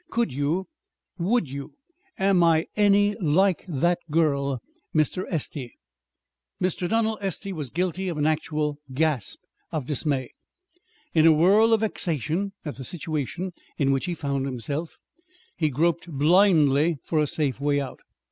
Could you would you Am I any like that girl, Mr. Estey?" Mr. Donald Estey was guilty of an actual gasp of dismay. In a whirl of vexation at the situation in which he found himself, he groped blindly for a safe way out.